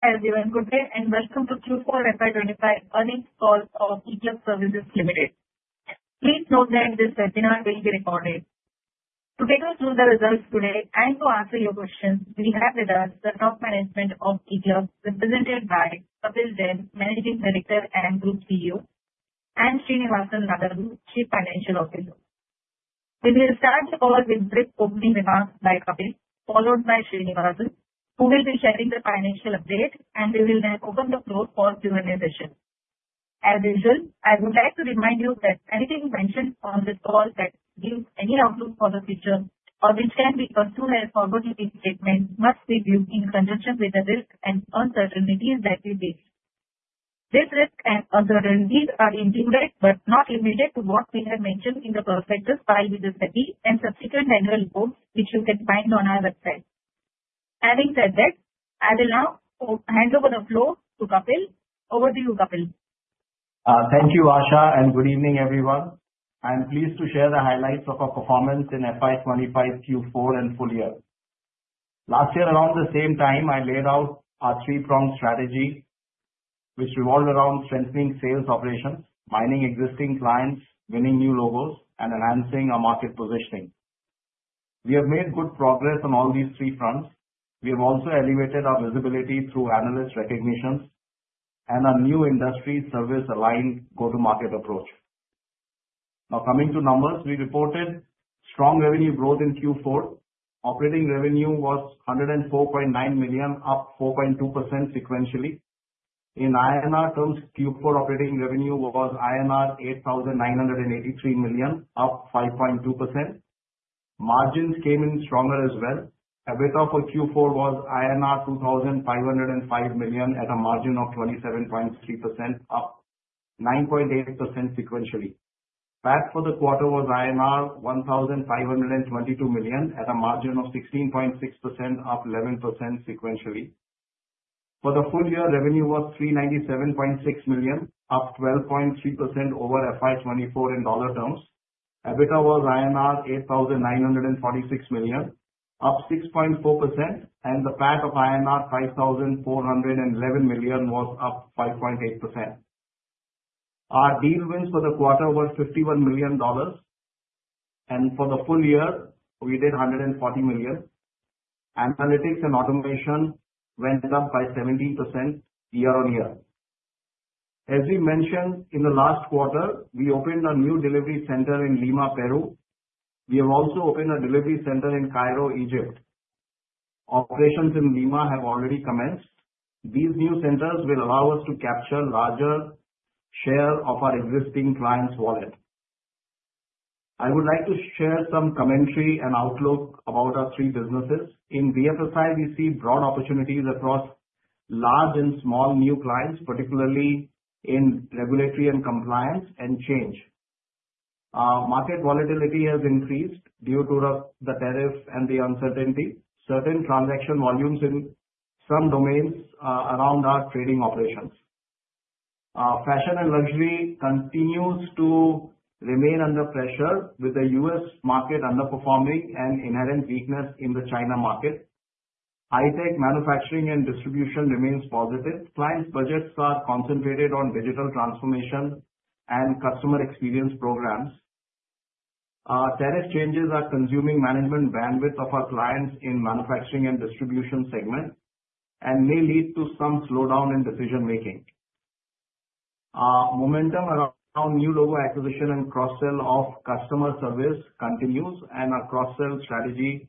Everyone, good day and welcome to Q4 FY 2025 earnings call of eClerx Services Limited. Please note that this webinar will be recorded. To take us through the results today and to answer your questions, we have with us the top management of eClerx, represented by Kapil Jain, Managing Director and Group CEO, and Srinivasan Nadadhur, Chief Financial Officer. We will start the call with brief opening remarks by Kapil, followed by Srinivasan, who will be sharing the financial update, and we will then open the floor for Q&A session. As usual, I would like to remind you that anything mentioned on this call that gives any outlook for the future or which can be pursued as corporate statements must be viewed in conjunction with the risks and uncertainties that we face. These risks and uncertainties are included but not limited to what we have mentioned in the prospectus filed with the SEBI and subsequent annual reports, which you can find on our website. Having said that, I will now hand over the floor to Kapil. Over to you, Kapil. Thank you, Asha, and good evening, everyone. I'm pleased to share the highlights of our performance in FY 2025 Q4 and full year. Last year, around the same time, I laid out our three-pronged strategy, which revolved around strengthening sales operations, mining existing clients, winning new logos, and enhancing our market positioning. We have made good progress on all these three fronts. We have also elevated our visibility through analyst recognitions and a new industry service aligned go-to-market approach. Now, coming to numbers, we reported strong revenue growth in Q4. Operating revenue was $104.9 million, up 4.2% sequentially. In INR terms, Q4 operating revenue was INR 8,983 million, up 5.2%. Margins came in stronger as well. EBITDA for Q4 was INR 2,505 million at a margin of 27.3%, up 9.8% sequentially. PAT for the quarter was 1,522 million at a margin of 16.6%, up 11% sequentially. For the full-year revenue was $397.6 million, up 12.3% over FY 2024 in dollar terms. EBITDA was INR 8,946 million, up 6.4%, and the PAT of INR 5,411 million was up 5.8%. Our deal wins for the quarter were $51 million, and for the full year, we did $140 million. Analytics and automation went up by 17% year-on-year. As we mentioned, in the last quarter, we opened a new delivery center in Lima, Peru. We have also opened a delivery center in Cairo, Egypt. Operations in Lima have already commenced. These new centers will allow us to capture a larger share of our existing clients' wallet. I would like to share some commentary and outlook about our three businesses. In BFSI, we see broad opportunities across large and small new clients, particularly in regulatory and compliance and change. Market volatility has increased due to the tariffs and the uncertainty. Certain transaction volumes in some domains are around our trading operations. Fashion and luxury continue to remain under pressure, with the U.S. market underperforming and inherent weakness in the China market. High-tech manufacturing and distribution remain positive. Clients' budgets are concentrated on digital transformation and customer experience programs. Tariff changes are consuming management bandwidth of our clients in the manufacturing and distribution segment and may lead to some slowdown in decision-making. Momentum around new logo acquisition and cross-sell of customer service continues, and our cross-sell strategy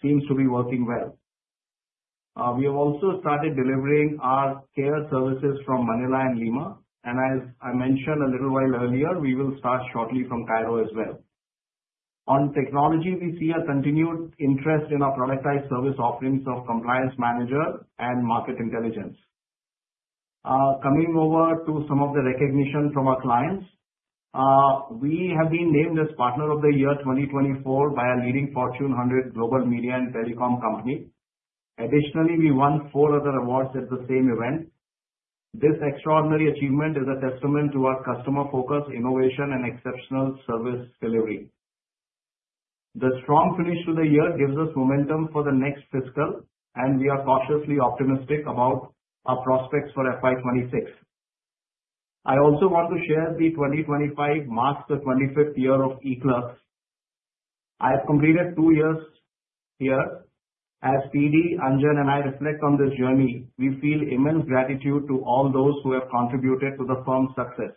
seems to be working well. We have also started delivering our care services from Manila and Lima, and as I mentioned a little while earlier, we will start shortly from Cairo as well. On technology, we see a continued interest in our productized service offerings of Compliance Manager and market intelligence. Coming over to some of the recognition from our clients, we have been named as Partner of the Year 2024 by a leading Fortune 100 global media and telecom company. Additionally, we won four other awards at the same event. This extraordinary achievement is a testament to our customer focus, innovation, and exceptional service delivery. The strong finish to the year gives us momentum for the next fiscal, and we are cautiously optimistic about our prospects for FY 2026. I also want to share that 2025 marks the 25th year of eClerx. I have completed two years here. As PD Anjan and I reflect on this journey, we feel immense gratitude to all those who have contributed to the firm's success.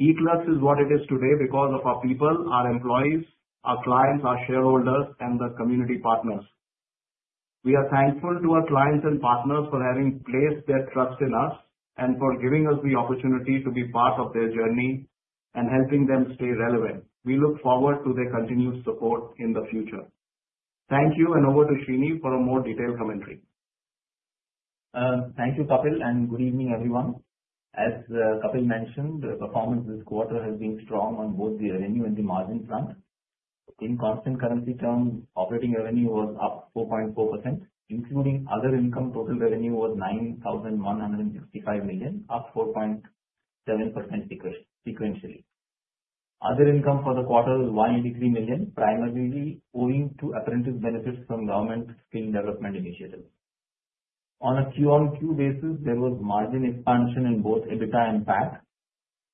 eClerx is what it is today because of our people, our employees, our clients, our shareholders, and the community partners. We are thankful to our clients and partners for having placed their trust in us and for giving us the opportunity to be part of their journey and helping them stay relevant. We look forward to their continued support in the future. Thank you, and over to Srini for a more detailed commentary. Thank you, Kapil, and good evening, everyone. As Kapil mentioned, the performance this quarter has been strong on both the revenue and the margin front. In constant currency terms, operating revenue was up 4.4%, including other income. Total revenue was 9,165 million, up 4.7% sequentially. Other income for the quarter was 183 million, primarily owing to apprentice benefits from government skill development initiatives. On a QoQ basis, there was margin expansion in both EBITDA and PAT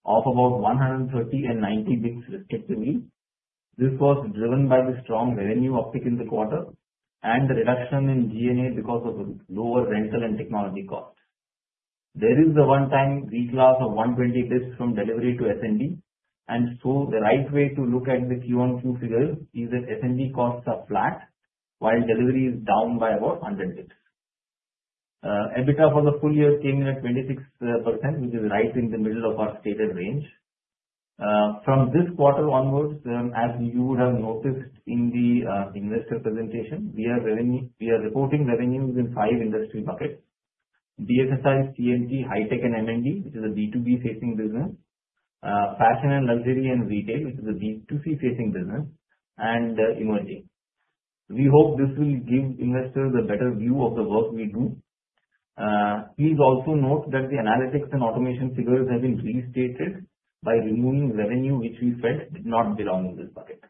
of about 130 and 90 basis points respectively. This was driven by the strong revenue uptick in the quarter and the reduction in G&A because of lower rental and technology costs. There is a one-time reclass of 120 basis points from delivery to S&D, and so the right way to look at the QoQ figure is that S&D costs are flat while delivery is down by about 100 basis points. EBITDA for the full year came in at 26%, which is right in the middle of our stated range. From this quarter onwards, as you would have noticed in the investor presentation, we are reporting revenues in five industry buckets: BFSI, CMT, High-tech, and M&D, which is a B2B facing business; Fashion & Luxury and Retail, which is a B2C facing business; and Emerging. We hope this will give investors a better view of the work we do. Please also note that the Analytics and Automation figures have been restated by removing revenue, which we felt did not belong in this bucket.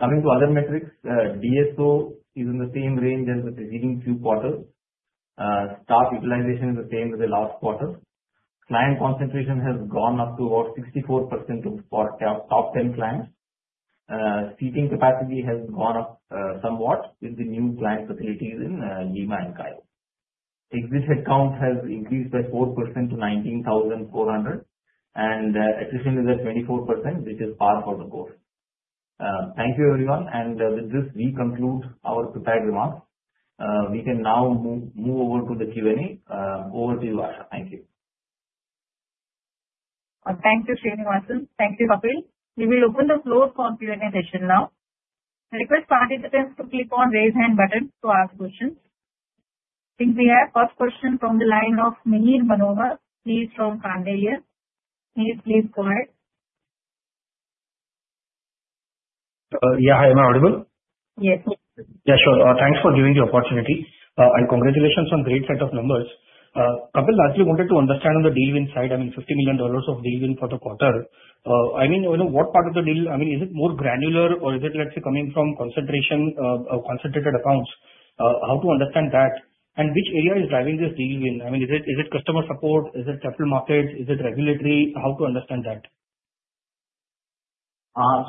Coming to other metrics, DSO is in the same range as the preceding two quarters. Staff utilization is the same as the last quarter. Client concentration has gone up to about 64% of top 10 clients. Seating capacity has gone up somewhat with the new client facilities in Lima and Cairo. Exit headcount has increased by 4% to 19,400, and attrition is at 24%, which is par for the course. Thank you, everyone. With this, we conclude our prepared remarks. We can now move over to the Q&A. Over to you, Asha. Thank you. Thank you, Srinivasan. Thank you, Kapil. We will open the floor for Q&A session now. Request participants to click on the raise hand button to ask questions. I think we have the first question from the line of Mihir Manohar from Carnelian. Mihir, please go ahead. Yeah, am I audible? Yes. Yeah, sure. Thanks for giving the opportunity. Congratulations on a great set of numbers. Kapil, I actually wanted to understand on the deal win side. I mean, $50 million of deal win for the quarter. You know, what part of the deal, I mean, is it more granular, or is it, let's say, coming from concentration of concentrated accounts? How to understand that? Which area is driving this deal win? I mean, is it customer support? Is it capital markets? Is it regulatory? How to understand that?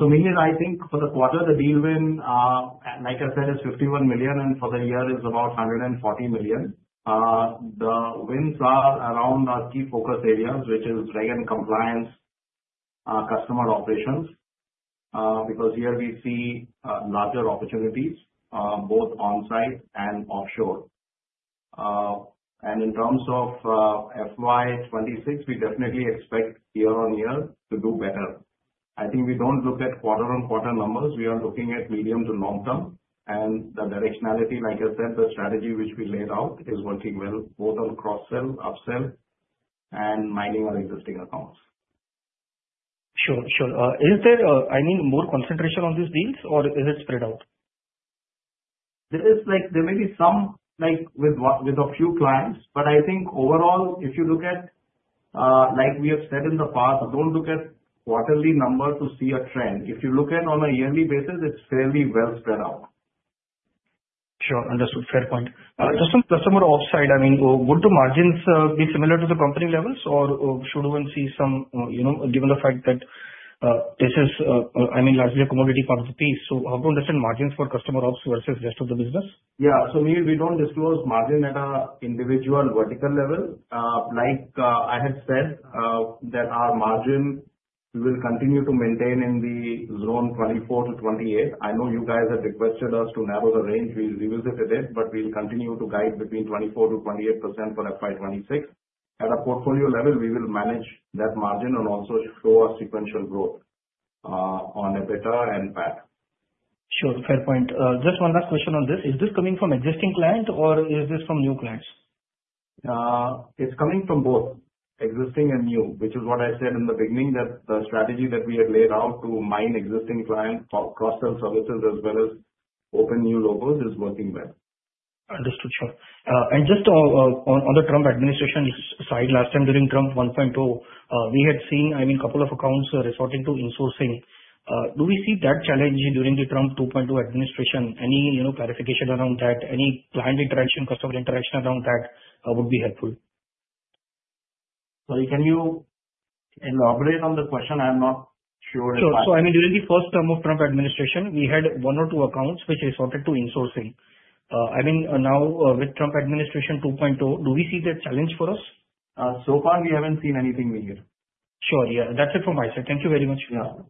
Mihir, I think for the quarter, the deal win, like I said, is $51 million, and for the year, it is about $140 million. The wins are around our key focus areas, which is reg and compliance, customer operations, because here we see larger opportunities both onsite and offshore. In terms of FY 2026, we definitely expect year-on-year to do better. I think we do not look at quarter-on-quarter numbers. We are looking at medium to long term. The directionality, like I said, the strategy which we laid out is working well both on cross-sell, upsell, and mining our existing accounts. Sure, sure. Is there, I mean, more concentration on these deals, or is it spread out? There may be some with a few clients, but I think overall, if you look at, like we have said in the past, do not look at quarterly numbers to see a trend. If you look at it on a yearly basis, it is fairly well spread out. Sure, understood. Fair point. Just on customer ops side, I mean, would the margins be similar to the company levels, or should we see some, given the fact that this is, I mean, largely a commodity part of the piece? How to understand margins for customer ops versus the rest of the business? Yeah, so Mihir, we don't disclose margin at an individual vertical level. Like I had said, our margin will continue to maintain in the zone 24%-28%. I know you guys had requested us to narrow the range. We revisited it, but we'll continue to guide between 24%-28% for FY 2026. At a portfolio level, we will manage that margin and also show our sequential growth on EBITDA and PAT. Sure, fair point. Just one last question on this. Is this coming from existing clients, or is this from new clients? It's coming from both, existing and new, which is what I said in the beginning, that the strategy that we had laid out to mine existing clients, cross-sell services, as well as open new logos, is working well. Understood, sure. Just on the Trump administration side, last time during Trump 1.0, we had seen, I mean, a couple of accounts resorting to insourcing. Do we see that challenge during the Trump 2.0 administration? Any clarification around that? Any client interaction, customer interaction around that would be helpful. Sorry, can you elaborate on the question? I'm not sure if I... Sure. I mean, during the first term of Trump administration, we had one or two accounts which resorted to insourcing. I mean, now with Trump administration 2.0, do we see that challenge for us? So far, we haven't seen anything, Mihir. Sure, yeah. That's it from my side. Thank you very much. Thank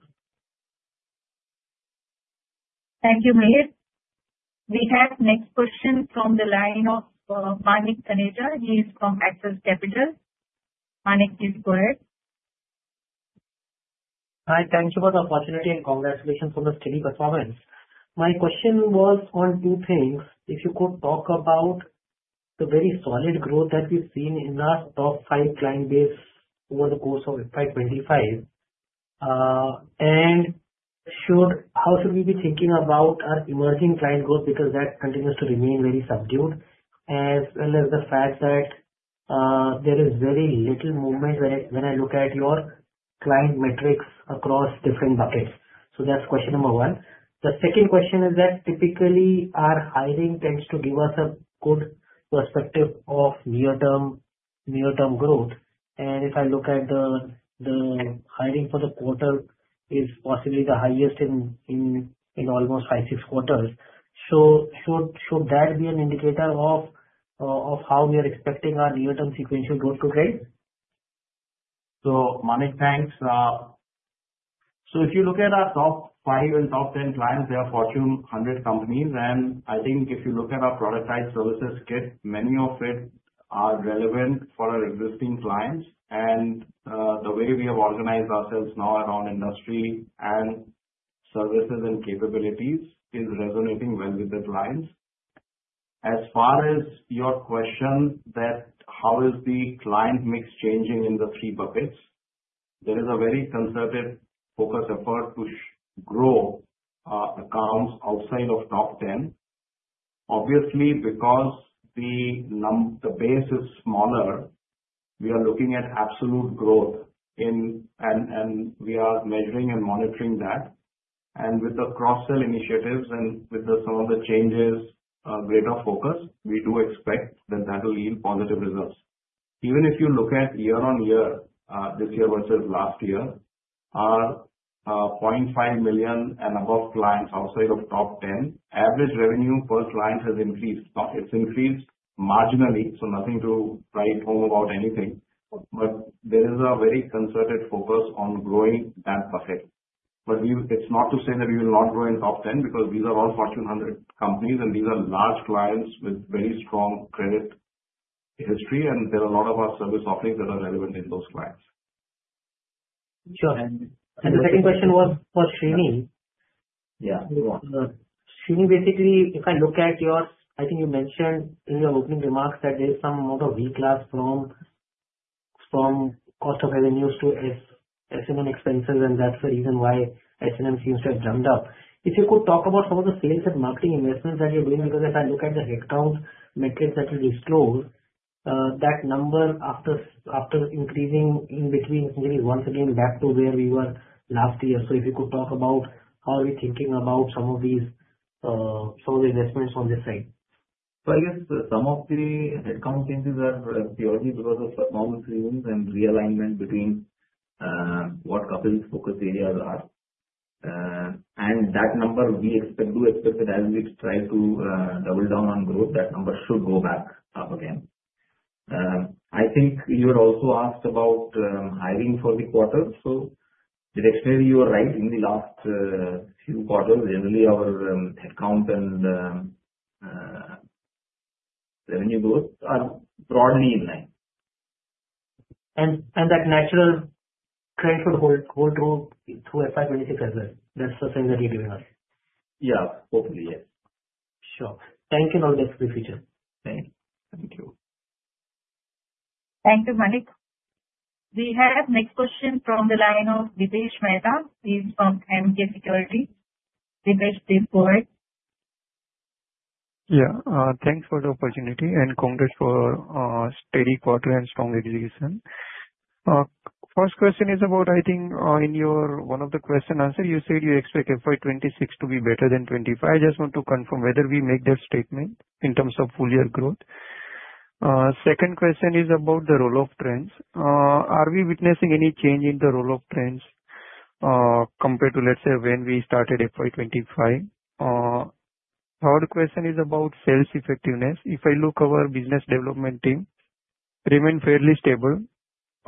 you, Mihir. We have the next question from the line of Manik Taneja. He is from Axis Capital. Manik, please go ahead. Hi, thank you for the opportunity and congratulations on the steady performance. My question was on two things. If you could talk about the very solid growth that we've seen in our top five client base over the course of FY 2025, and how should we be thinking about our emerging client growth? Because that continues to remain very subdued, as well as the fact that there is very little movement when I look at your client metrics across different buckets. That is question number one. The second question is that typically our hiring tends to give us a good perspective of near-term growth. If I look at the hiring for the quarter, it is possibly the highest in almost five six quarters. Should that be an indicator of how we are expecting our near-term sequential growth to trade? Manik, thanks. If you look at our top five and top ten clients, they are Fortune 100 companies. I think if you look at our productized services, many of them are relevant for our existing clients. The way we have organized ourselves now around industry and services and capabilities is resonating well with the clients. As far as your question, how is the client mix changing in the three buckets? There is a very concerted focus effort to grow accounts outside of top ten. Obviously, because the base is smaller, we are looking at absolute growth, and we are measuring and monitoring that. With the cross-sell initiatives and with some of the changes, greater focus, we do expect that that will yield positive results. Even if you look at year-on-year this year versus last year, our $0.5 million and above clients outside of top ten, average revenue per client has increased. It has increased marginally, so nothing to write home about anything. There is a very concerted focus on growing that bucket. It is not to say that we will not grow in top ten because these are all Fortune 100 companies, and these are large clients with very strong credit history, and there are a lot of our service offerings that are relevant in those clients. Sure. The second question was for Srini. Yeah, go on. Srini, basically, if I look at your, I think you mentioned in your opening remarks that there is some amount of reclass from cost of revenues to S&M expenses, and that's the reason why S&M seems to have jumped up. If you could talk about some of the sales and marketing investments that you're doing, because if I look at the headcount metrics that you disclosed, that number after increasing in between is once again back to where we were last year. If you could talk about how are we thinking about some of these investments on this side? I guess some of the headcount changes are purely because of performance reasons and realignment between what Kapil's focus areas are. That number, we do expect that as we try to double down on growth, that number should go back up again. I think you were also asked about hiring for the quarter. Directionally, you were right. In the last few quarters, generally, our headcount and revenue growth are broadly in line. That natural trend for the whole growth through FY 2026 as well. That's the thing that you're giving us. Yeah, hopefully, yes. Sure. Thank you and all the best for the future. Thank you. Thank you, Manik. We have the next question from the line of Dipesh Mehta. He's from Emkay Security. Dipesh, please go ahead. Yeah, thanks for the opportunity and congrats for a steady quarter and strong execution. First question is about, I think, in your one of the question answer, you said you expect FY 2026 to be better than 2025. I just want to confirm whether we make that statement in terms of full-year growth. Second question is about the roll-up trends. Are we witnessing any change in the roll-up trends compared to, let's say, when we started FY 2025? Third question is about sales effectiveness. If I look at our business development team, it remains fairly stable,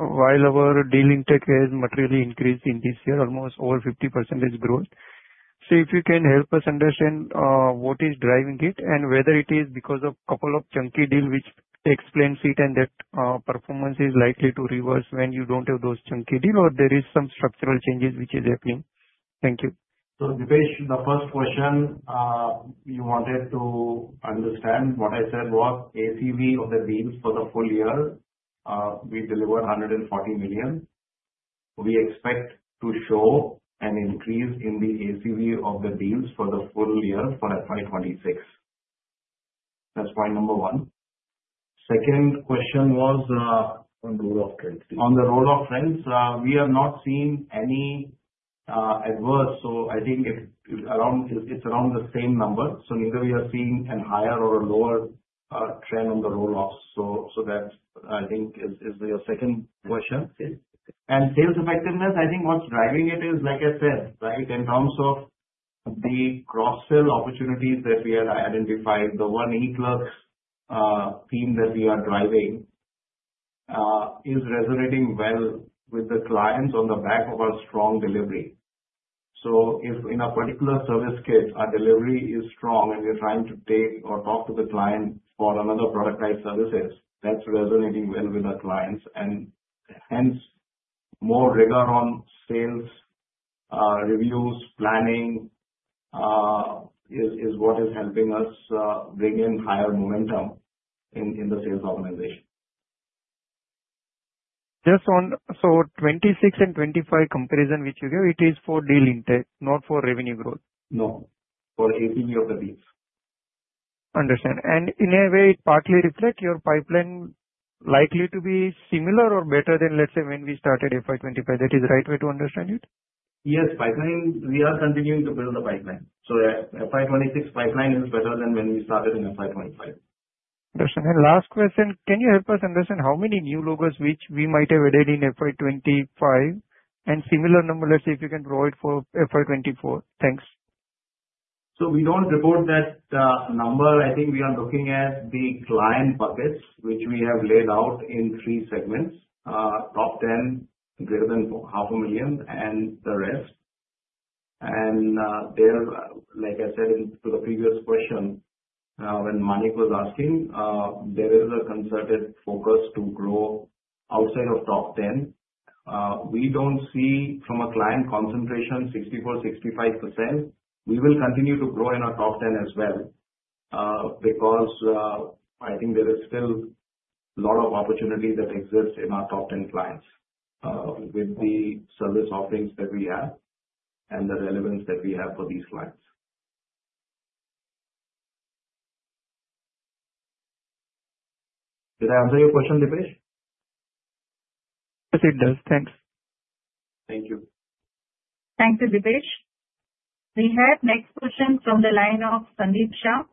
while our deal intake has materially increased in this year, almost over 50% growth. If you can help us understand what is driving it and whether it is because of a couple of chunky deals which explain it and that performance is likely to reverse when you do not have those chunky deals or there are some structural changes which are happening. Thank you. Dipesh, the first question you wanted to understand, what I said was ACV of the deals for the full year, we delivered $140 million. We expect to show an increase in the ACV of the deals for the full year for FY 2026. That's point number one. The second question was on the roll-up trends. On the roll-up trends, we are not seeing any adverse. I think it's around the same number. Neither we are seeing a higher or a lower trend on the roll-ups. That, I think, is your second question. Sales effectiveness, I think what's driving it is, like I said, in terms of the cross-sell opportunities that we had identified, the one eClerx theme that we are driving is resonating well with the clients on the back of our strong delivery. If in a particular service kit, our delivery is strong and we're trying to take or talk to the client for another product-type services, that's resonating well with our clients. Hence, more rigor on sales reviews, planning is what is helping us bring in higher momentum in the sales organization. Just on, so 2026 and 2025 comparison which you gave, it is for deal intake, not for revenue growth? No, for ACV of the deals. Understand. In a way, it partly reflects your pipeline likely to be similar or better than, let's say, when we started FY 2025. That is the right way to understand it? Yes, pipeline, we are continuing to build the pipeline. FY 2026 pipeline is better than when we started in FY 2025. Understand. Last question, can you help us understand how many new logos which we might have added in FY 2025 and similar number, let's say, if you can provide for FY 2024? Thanks. We do not report that number. I think we are looking at the client buckets which we have laid out in three segments: top ten, greater than $500,000, and the rest. There, like I said to the previous question, when Manik was asking, there is a concerted focus to grow outside of top ten. We do not see from a client concentration 64% 65%. We will continue to grow in our top ten as well because I think there is still a lot of opportunity that exists in our top ten clients with the service offerings that we have and the relevance that we have for these clients. Did I answer your question, Dipesh? Yes, it does. Thanks. Thank you. Thank you, Dipesh. We have the next question from the line of Sandeep Shah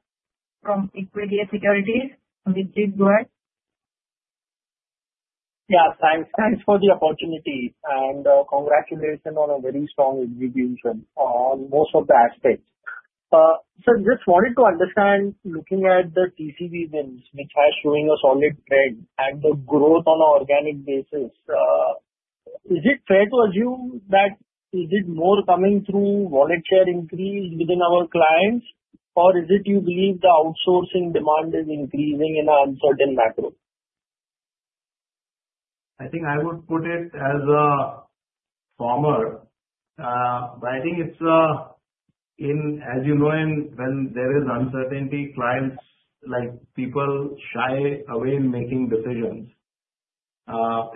from Equirus Securities. Sandeep, do you have? Yes, thanks. Thanks for the opportunity. Congratulations on a very strong execution on most of the aspects. Just wanted to understand, looking at the TCV wins which are showing a solid trend and the growth on an organic basis, is it fair to assume that is it more coming through wallet share increase within our clients, or do you believe the outsourcing demand is increasing in an uncertain macro? I think I would put it as a former. I think it's in, as you know, when there is uncertainty, clients like people shy away in making decisions.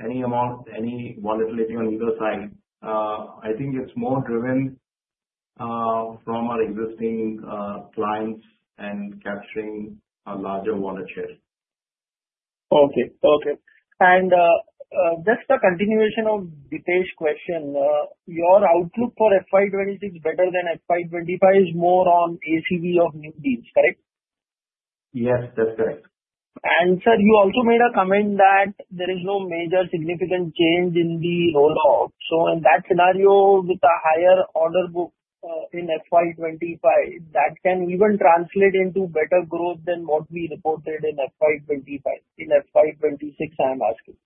Any amount, any volatility on either side. I think it's more driven from our existing clients and capturing a larger wallet share. Okay, okay. And just a continuation of Dipesh's question, your outlook for FY 2026 better than FY 2025 is more on ACV of new deals, correct? Yes, that's correct. Sir, you also made a comment that there is no major significant change in the roll offs. In that scenario, with a higher order book in FY 2025, that can even translate into better growth than what we reported in FY 2025. In FY 2026, I am asking.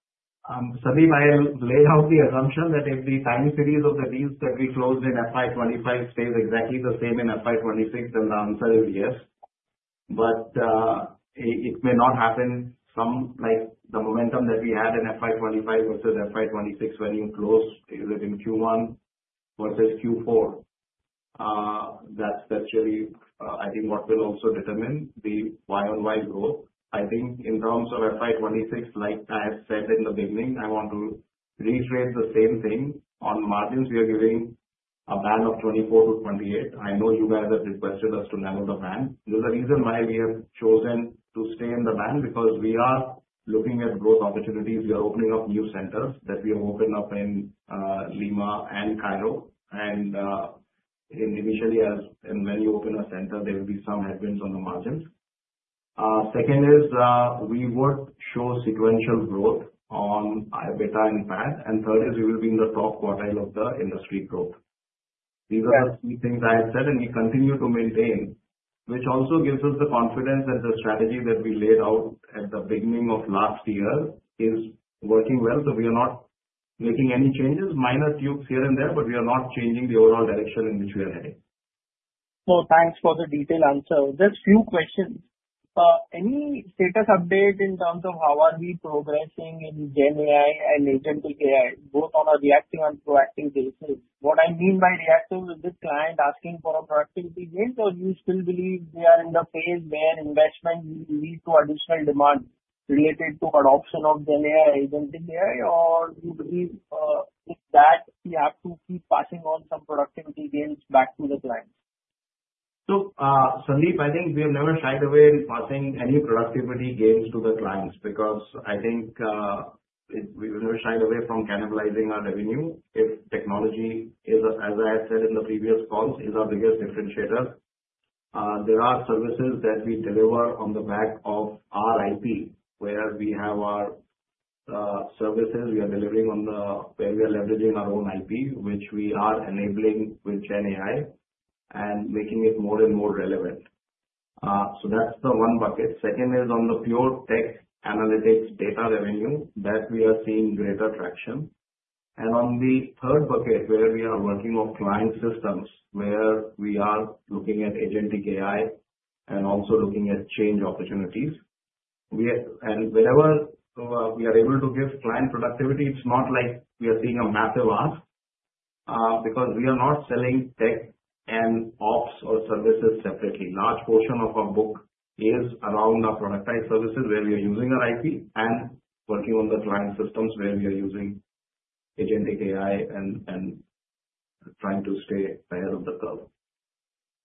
Sandeep, I'll lay out the assumption that if the time series of the deals that we closed in FY 2025 stays exactly the same in FY 2026, then the answer is yes. It may not happen from the momentum that we had in FY 2025 versus FY 2026 when you closed it in Q1 versus Q4. That is actually, I think, what will also determine the Yo Y growth. I think in terms of FY2026, like I have said in the beginning, I want to reiterate the same thing on margins. We are giving a band of 24%-28%. I know you guys have requested us to narrow the band. There is a reason why we have chosen to stay in the band because we are looking at growth opportunities. We are opening up new centers that we have opened up in Lima and Cairo. Initially, when you open a center, there will be some headwinds on the margins. Second is we would show sequential growth on EBITDA and PAT. Third is we will be in the top quartile of the industry growth. These are the three things I have said, and we continue to maintain, which also gives us the confidence that the strategy that we laid out at the beginning of last year is working well. We are not making any changes, minor tweaks here and there, but we are not changing the overall direction in which we are heading. Thanks for the detailed answer. Just a few questions. Any status update in terms of how are we progressing in GenAI and Agentic AI, both on a reacting and proactive basis? What I mean by reactive is this client asking for a proactivity gain, or you still believe we are in the phase where investment leads to additional demand related to adoption of GenAI, Agentic AI, or you believe that we have to keep passing on some productivity gains back to the clients? Sandeep, I think we have never shied away in passing any productivity gains to the clients because I think we have never shied away from cannibalizing our revenue if technology, as I have said in the previous calls, is our biggest differentiator. There are services that we deliver on the back of our IP, where we have our services we are delivering on the where we are leveraging our own IP, which we are enabling with GenAI and making it more and more relevant. That is the one bucket. Second is on the pure tech analytics data revenue that we are seeing greater traction. On the third bucket, where we are working on client systems, we are looking at Agentic AI and also looking at change opportunities. Whenever we are able to give client productivity, it's not like we are seeing a massive ask because we are not selling tech and ops or services separately. A large portion of our book is around our productized services where we are using our IP and working on the client systems where we are using Agentic AI and trying to stay ahead of the curve.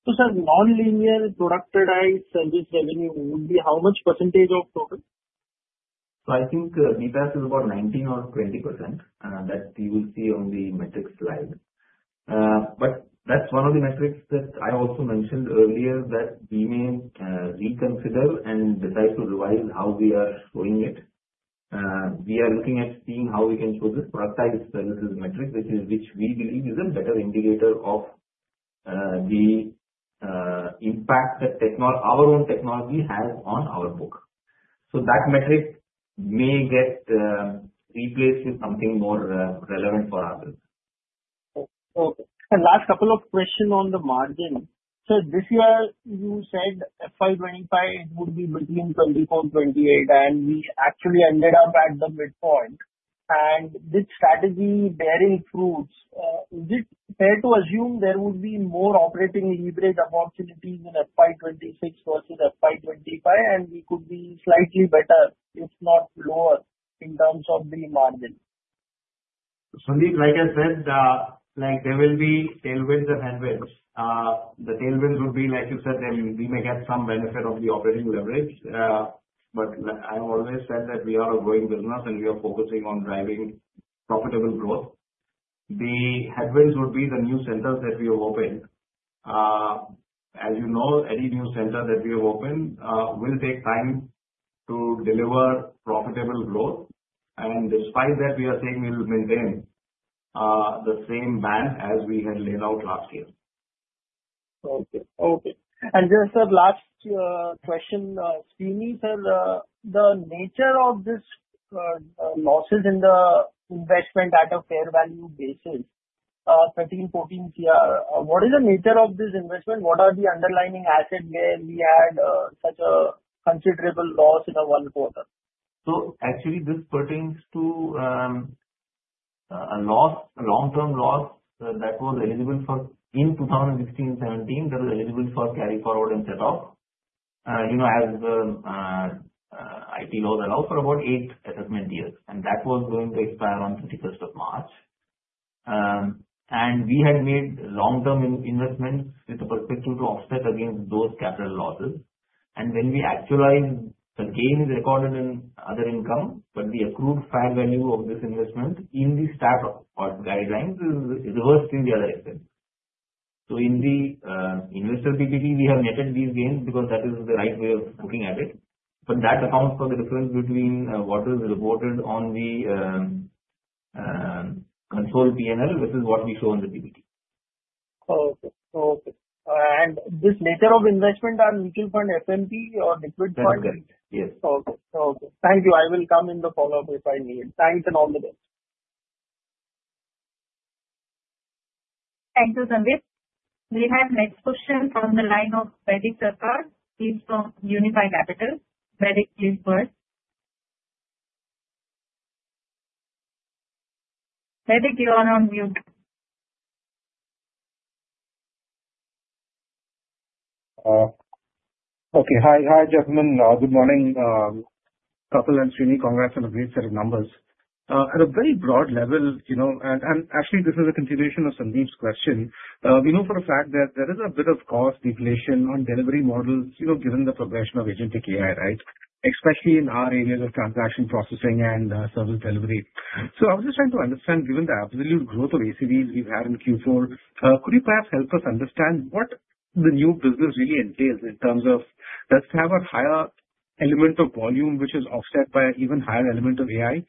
Sir, nonlinear productized service revenue would be how much percentage of total? I think BPaaS is about 19% or 20% that you will see on the metric slide. That is one of the metrics that I also mentioned earlier that we may reconsider and decide to revise how we are showing it. We are looking at seeing how we can show this productized services metric, which we believe is a better indicator of the impact that our own technology has on our book. That metric may get replaced with something more relevant for our business. Okay. Last couple of questions on the margin. This year, you said FY 2025 would be between 24%-28%, and we actually ended up at the midpoint. This strategy bearing fruits, is it fair to assume there would be more operating leverage opportunities in FY 2026 versus FY 2025, and we could be slightly better, if not lower, in terms of the margin? Sandeep, like I said, there will be tailwinds and headwinds. The tailwinds would be, like you said, we may get some benefit of the operating leverage. I have always said that we are a growing business, and we are focusing on driving profitable growth. The headwinds would be the new centers that we have opened. As you know, any new center that we have opened will take time to deliver profitable growth. Despite that, we are saying we will maintain the same band as we had laid out last year. Okay, okay. Just a last question, Srini, the nature of these losses in the investment at a fair value basis, 13 14 crore, what is the nature of this investment? What are the underlying assets where we had such a considerable loss in the one quarter? Actually, this pertains to a long-term loss that was eligible for in 2016, 2017, that was eligible for carry forward and set off, as the IT laws allow for about eight assessment years. That was going to expire on 31st of March. We had made long-term investments with the perspective to offset against those capital losses. When we actualized, the gain is recorded in other income, but the accrued fair value of this investment in the stat or guidelines is reversed in the other income. In the investor PPT, we have netted these gains because that is the right way of looking at it. That accounts for the difference between what is reported on the control P&L, which is what we show on the PPT. Okay, okay. This nature of investment, are mutual fund FMP or liquid fund? That's correct. Yes. Okay, okay. Thank you. I will come in the follow-up if I need. Thanks and all the best. Thank you, Sandeep. We have the next question from the line of Baidik Sarkar, he is from Unifi Capital. Baidik, please first. Baidik, you are on mute. Okay. Hi, gentlemen. Good morning. Kapil and Srini, congrats on a great set of numbers. At a very broad level, and actually, this is a continuation of Sandeep's question, we know for a fact that there is a bit of cost deflation on delivery models given the progression of Agentic AI, right? Especially in our areas of transaction processing and service delivery. I was just trying to understand, given the absolute growth of ACVs we've had in Q4, could you perhaps help us understand what the new business really entails in terms of does it have a higher element of volume which is offset by an even higher element of AI,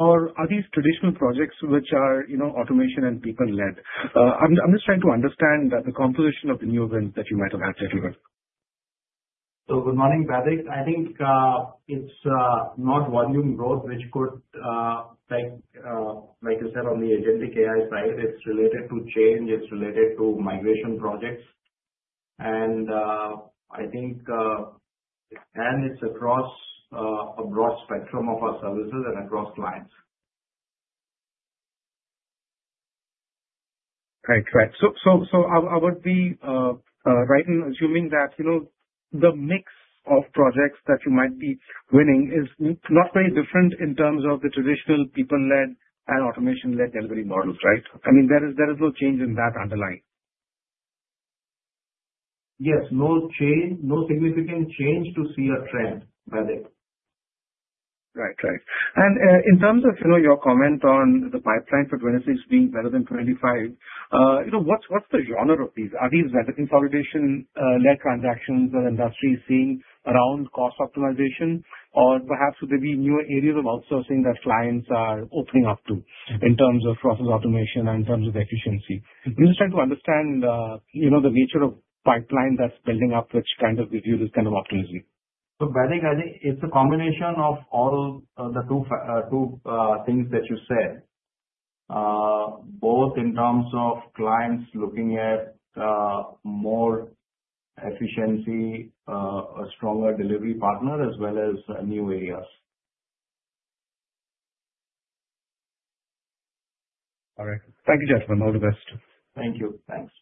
or are these traditional projects which are automation and people-led? I'm just trying to understand the composition of the new wins that you might have had earlier. Good morning, Baidik. I think it's not volume growth which could, like you said, on the Agentic AI side, it's related to change, it's related to migration projects. I think, and it's across a broad spectrum of our services and across clients. Right, right. So I would be right in assuming that the mix of projects that you might be winning is not very different in terms of the traditional people-led and automation-led delivery models, right? I mean, there is no change in that underlying. Yes, no change, no significant change to see a trend, Baidik. Right, right. In terms of your comment on the pipeline for 2026 being better than 2025, what's the genre of these? Are these better consolidation-led transactions that the industry is seeing around cost optimization, or perhaps would there be new areas of outsourcing that clients are opening up to in terms of process automation and in terms of efficiency? I'm just trying to understand the nature of pipeline that's building up, which kind of gives you this kind of optimism. Baidik, I think it's a combination of all the two things that you said, both in terms of clients looking at more efficiency, a stronger delivery partner, as well as new areas. All right. Thank you, gentlemen. All the best. Thank you. Thanks.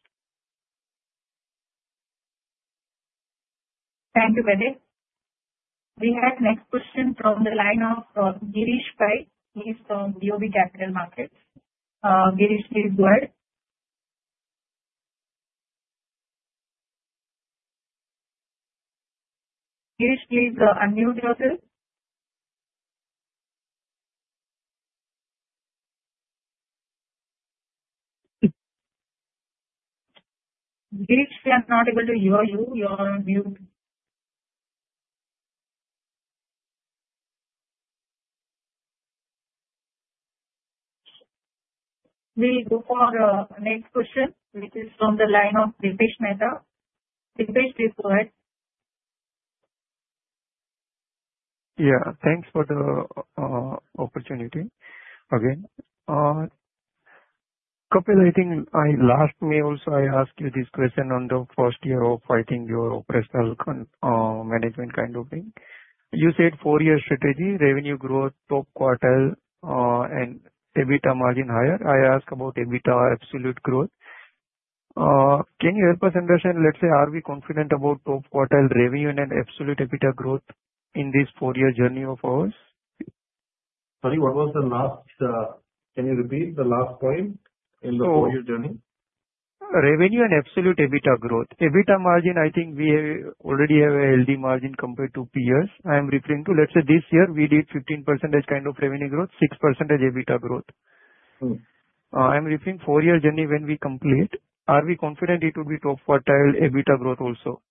Thank you, Baidik. We have the next question from the line of Girish Pai. He's from BOB Capital Markets. Girish, please go ahead. Girish, please unmute yourself. Girish, we are not able to hear you. You are on mute. We'll go for the next question, which is from the line of Dipesh Mehta. Dipesh, please go ahead. Yeah, thanks for the opportunity again. Couple, I think last time also I asked you this question on the first year of fighting your operational management kind of thing. You said four-year strategy, revenue growth, top quartile, and EBITDA margin higher. I asked about EBITDA absolute growth. Can you help us understand, let's say, are we confident about top quartile revenue and absolute EBITDA growth in this four-year journey of ours? Sorry, what was the last? Can you repeat the last point in the four-year journey? Revenue and absolute EBITDA growth. EBITDA margin, I think we already have a healthy margin compared to peers. I am referring to, let's say, this year we did 15% kind of revenue growth, 6% EBITDA growth. I am referring to the four-year journey when we complete. Are we confident it would be top quartile EBITDA growth also?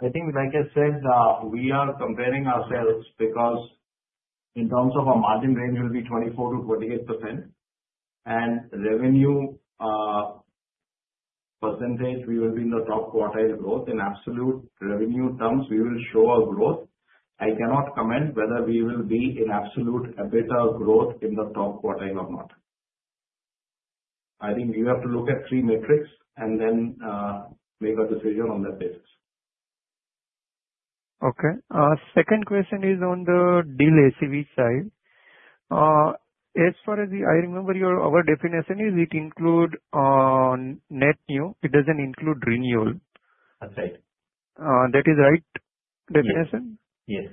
I think, like I said, we are comparing ourselves because in terms of our margin range will be 24%-28%. And revenue percentage, we will be in the top quartile growth. In absolute revenue terms, we will show our growth. I cannot comment whether we will be in absolute EBITDA growth in the top quartile or not. I think you have to look at three metrics and then make a decision on that basis. Okay. Second question is on the deal ACV side. As far as I remember, our definition is it includes net new. It doesn't include renewal. That's right. That is the right definition? Yes.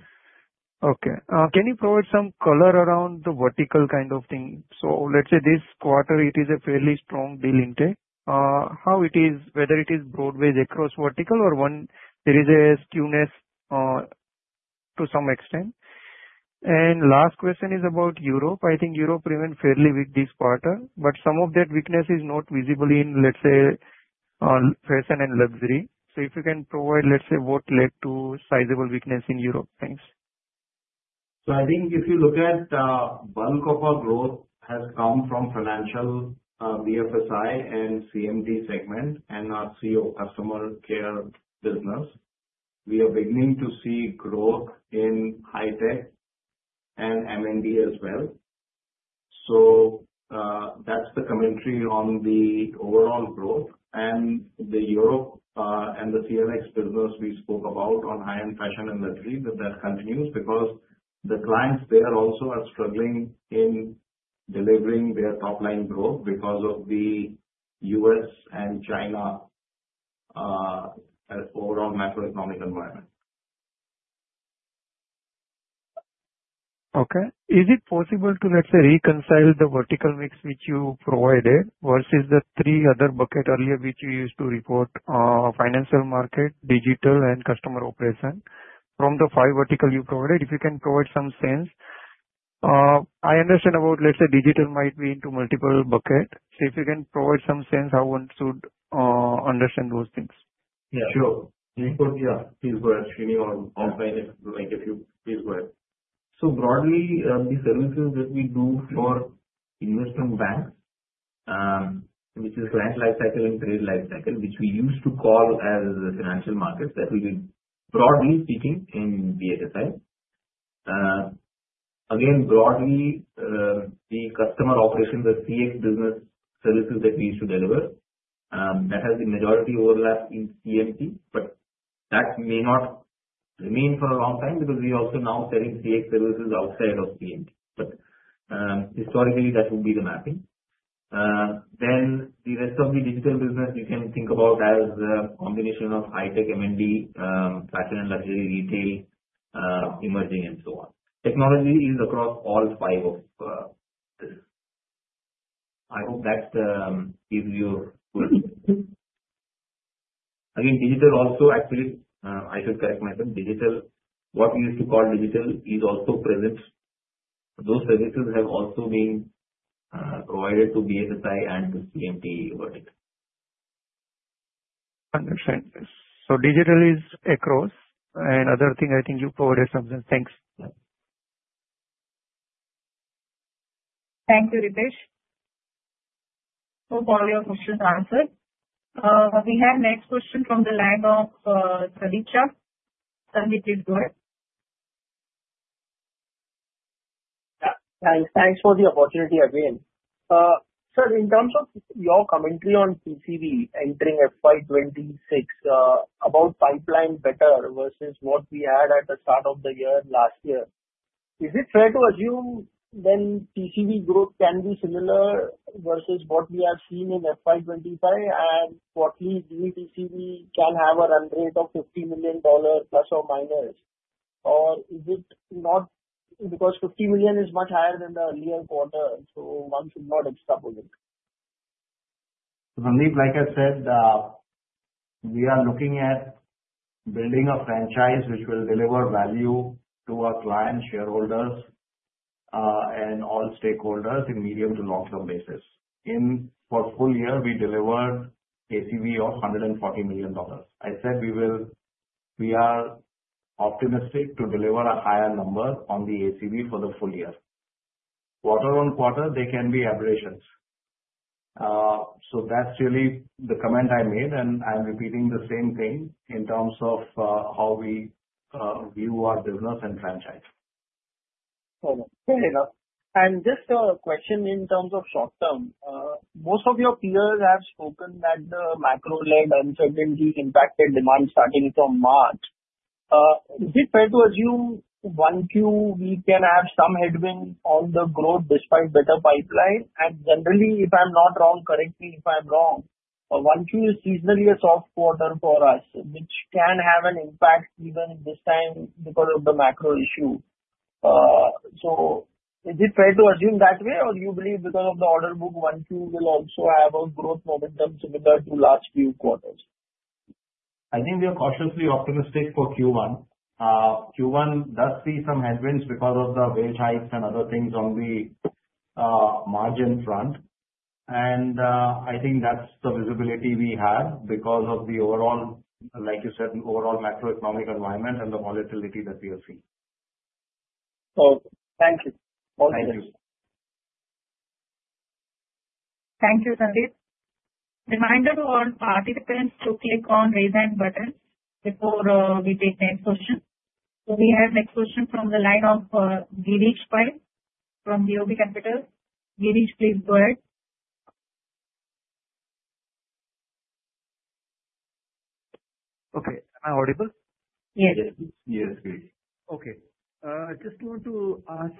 Okay. Can you provide some color around the vertical kind of thing? Let's say this quarter, it is a fairly strong deal intake. How it is, whether it is broad-based across vertical or there is a skewness to some extent. Last question is about Europe. I think Europe remained fairly weak this quarter, but some of that weakness is not visible in, let's say, Fashion & Luxury. If you can provide, let's say, what led to sizable weakness in Europe, thanks. I think if you look at the bulk of our growth, it has come from financial BFSI and CMT segment and our CO customer care business. We are beginning to see growth in High-tech and M&D as well. That is the commentary on the overall growth. The Europe and the CLX business we spoke about on high-end fashion and luxury, that continues because the clients there also are struggling in delivering their top-line growth because of the U.S. and China overall macroeconomic environment. Okay. Is it possible to, let's say, reconcile the vertical mix which you provided versus the three other buckets earlier which you used to report: financial market, digital, and customer operation from the five verticals you provided? If you can provide some sense. I understand about, let's say, digital might be into multiple buckets. So if you can provide some sense, how one should understand those things? Yeah, sure. Yeah, please go ahead, Srinivasan, if you please go ahead. So broadly, the services that we do for investment banks, which is client lifecycle and trade lifecycle, which we used to call as the financial markets, that will be broadly speaking in BFSI. Again, broadly, the customer operations, the CX business services that we used to deliver, that has the majority overlap in CMT. That may not remain for a long time because we are also now selling CX services outside of CMT. Historically, that would be the mapping. The rest of the digital business, you can think about as a combination of High-tech, M&D, Fashion & Luxury, Retail, Emerging, and so on. Technology is across all five of this. I hope that gives you a good. Again, digital also actually, I should correct myself, digital, what we used to call digital is also present. Those services have also been provided to BFSI and to CMT vertical. Understand. Digital is across. Another thing, I think you provided something. Thanks. Thank you, Dipesh. Hope all your questions answered. We have the next question from the line of Sandeep Shah. Sandeep, please go ahead. Thanks for the opportunity again. Sir, in terms of your commentary on TCV entering FY 2026, about pipeline better versus what we had at the start of the year last year, is it fair to assume then TCV growth can be similar versus what we have seen in FY 2025? Fortunately, TCV can have a run rate of $50 million plus or minus. Is it not because $50 million is much higher than the earlier quarter, so one should not extrapolate? Sandeep, like I said, we are looking at building a franchise which will deliver value to our clients, shareholders, and all stakeholders in medium to long-term basis. In for full year, we delivered ACV of $140 million. I said we are optimistic to deliver a higher number on the ACV for the full year. Quarter-on-quarter, there can be aberrations. That is really the comment I made, and I am repeating the same thing in terms of how we view our business and franchise. Fair enough. Just a question in terms of short term. Most of your peers have spoken that the macro-led uncertainty impacted demand starting from March. Is it fair to assume 1Q we can have some headwind on the growth despite better pipeline? Generally, if I'm not wrong, correct me if I'm wrong, 1Q is seasonally a soft quarter for us, which can have an impact even this time because of the macro issue. Is it fair to assume that way, or do you believe because of the order book, 1Q will also have a growth momentum similar to last few quarters? I think we are cautiously optimistic for Q1. Q1 does see some headwinds because of the wage hikes and other things on the margin front. I think that's the visibility we have because of the overall, like you said, overall macroeconomic environment and the volatility that we are seeing. Okay. Thank you. All the best. Thank you. Thank you, Sandeep. Reminder to all participants to click on the raise hand button before we take the next question. We have the next question from the line of Girish Pai from BOB Capital. Girish, please go ahead. Okay. Am I audible? Yes. Yes, yes, Girish. Okay. I just want to ask,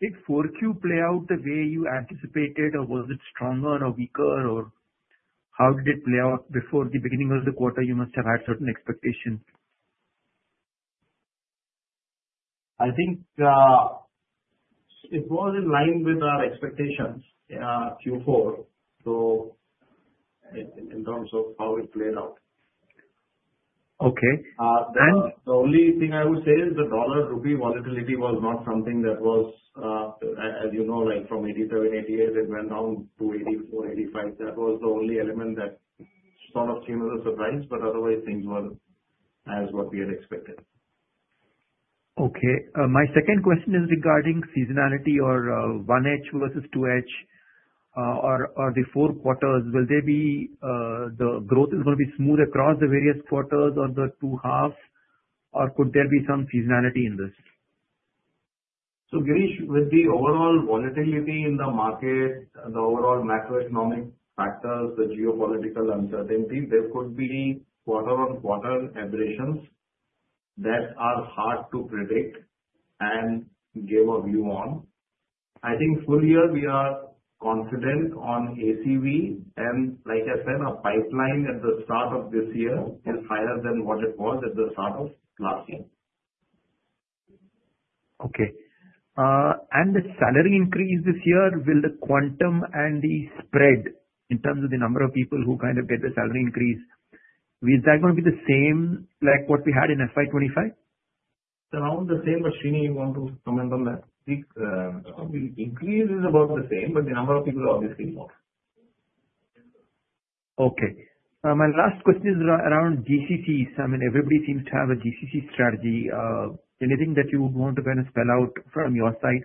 did 4Q play out the way you anticipated, or was it stronger or weaker, or how did it play out before the beginning of the quarter? You must have had certain expectations. I think it was in line with our expectations Q4, so in terms of how it played out. Okay. The only thing I would say is the dollar-rupee volatility was not something that was, as you know, from 87-88, it went down to 84-85. That was the only element that sort of came as a surprise, but otherwise, things were as what we had expected. Okay. My second question is regarding seasonality or 1H versus 2H or the four quarters. Will there be the growth is going to be smooth across the various quarters or the two halves, or could there be some seasonality in this? Girish, with the overall volatility in the market, the overall macroeconomic factors, the geopolitical uncertainty, there could be quarter-on-quarter aberrations that are hard to predict and give a view on. I think full year, we are confident on ACV, and like I said, our pipeline at the start of this year is higher than what it was at the start of last year. Okay. The salary increase this year, will the quantum and the spread in terms of the number of people who kind of get the salary increase, is that going to be the same like what we had in FY 2025? It's around the same, but Srini, you want to comment on that? The increase is about the same, but the number of people is obviously more. Okay. My last question is around GCCs. I mean, everybody seems to have a GCC strategy. Anything that you would want to kind of spell out from your side?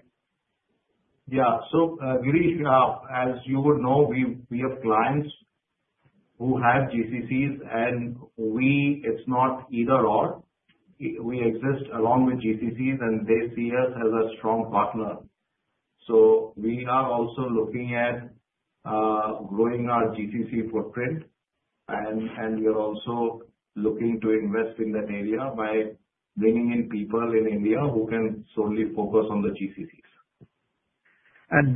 Yeah. Girish, as you would know, we have clients who have GCCs, and it's not either/or. We exist along with GCCs, and they see us as a strong partner. We are also looking at growing our GCC footprint, and we are also looking to invest in that area by bringing in people in India who can solely focus on the GCCs.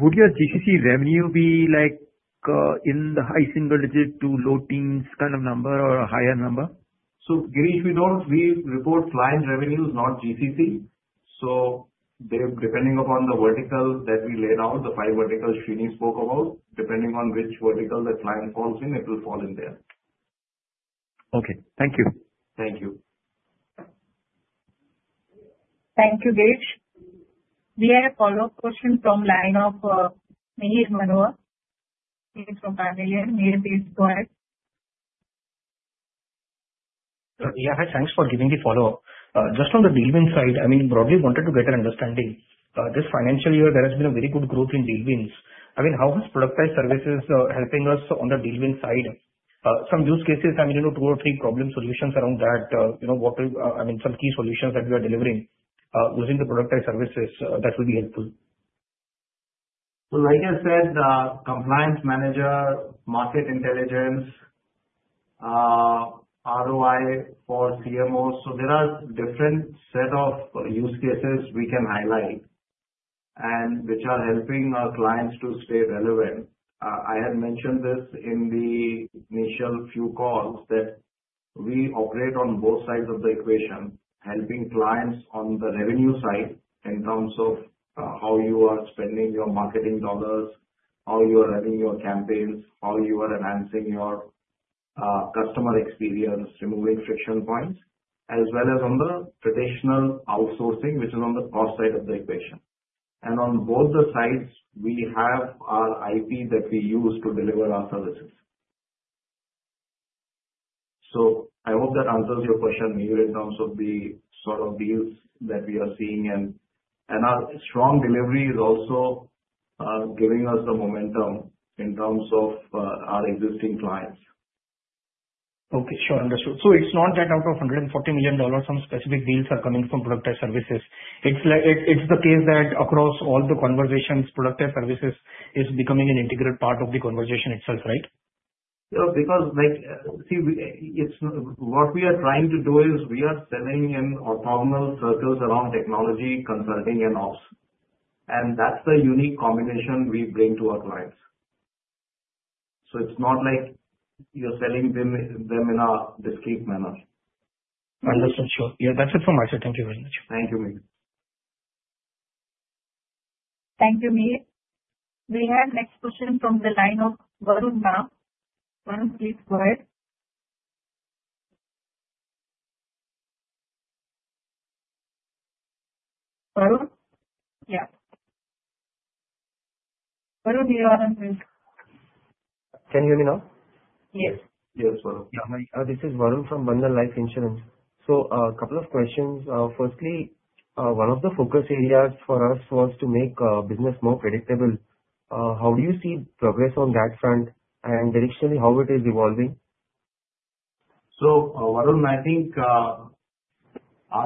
Would your GCC revenue be in the high single digit to low teens kind of number or a higher number? Girish, we report client revenues, not GCC. Depending upon the vertical that we laid out, the five verticals Srinivasan Nadkarni spoke about, depending on which vertical the client falls in, it will fall in there. Okay. Thank you. Thank you. Thank you, Girish. We have a follow-up question from line of Mihir Manohar. He is from Carnelian. Mihir, please go ahead. Yeah, thanks for giving the follow-up. Just on the deal win side, I mean, broadly wanted to get an understanding. This financial year, there has been a very good growth in deal wins. I mean, how has productized services helping us on the deal win side? Some use cases, I mean, two or three problem solutions around that. I mean, some key solutions that we are delivering using the productized services, that would be helpful. Like I said, Compliance Manager, market intelligence, ROI for CMO. There are different set of use cases we can highlight and which are helping our clients to stay relevant. I had mentioned this in the initial few calls that we operate on both sides of the equation, helping clients on the revenue side in terms of how you are spending your marketing dollars, how you are running your campaigns, how you are enhancing your customer experience, removing friction points, as well as on the traditional outsourcing, which is on the cost side of the equation. On both the sides, we have our IP that we use to deliver our services. I hope that answers your question, Mihir, in terms of the sort of deals that we are seeing. Our strong delivery is also giving us the momentum in terms of our existing clients. Okay. Sure. Understood. So it's not that out of $140 million, some specific deals are coming from productized services. It's the case that across all the conversations, productized services is becoming an integral part of the conversation itself, right? Yeah, because see, what we are trying to do is we are selling in orthogonal circles around technology, consulting, and ops. And that's the unique combination we bring to our clients. So it's not like you're selling them in a discreet manner. Understood. Sure. Yeah, that's it from my side. Thank you very much. Thank you, Mihir. Thank you, Mihir. We have next question from the line of Varun Bang. Varun, please go ahead. Varun? Yeah. Varun, you are on mute. Can you hear me now? Yes. Yes, Varun. Yeah. This is Varun from Bandhan Life Insurance. So a couple of questions. Firstly, one of the focus areas for us was to make business more predictable. How do you see progress on that front? Additionally, how it is evolving? Varun, I think are